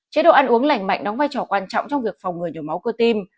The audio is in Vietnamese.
chế độ ăn uống lành mạnh đóng vai trò quan trọng trong việc phòng người nhồi máu cơ tim